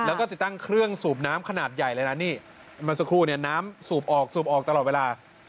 แล้วก็ติดตั้งเครื่องสูบน้ำขนาดใหญ่เลยนะนี่มันสักครู่เนี่ยน้ำสูบออกสูบออกตลอดเวลา